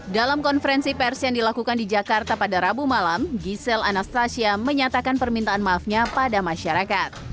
dalam konferensi pers yang dilakukan di jakarta pada rabu malam giselle anastasia menyatakan permintaan maafnya pada masyarakat